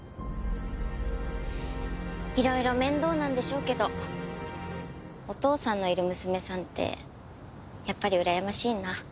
いろいろ面倒なんでしょうけどお父さんのいる娘さんってやっぱりうらやましいな。